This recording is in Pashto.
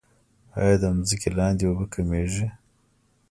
آیا د ځمکې لاندې اوبه کمیږي؟